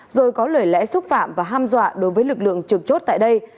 rồi có lời lẽ xúc phạm và ham dọa đối với lực lượng trực chốt tại đây